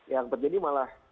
yang terjadi malah